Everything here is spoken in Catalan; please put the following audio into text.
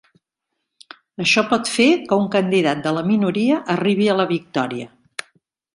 Això pot fer que un candidat de la minoria arribi a la victòria.